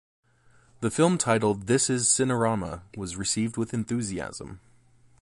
The film, titled "This is Cinerama," was received with enthusiasm.